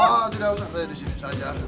oh tidak usah saya disini saja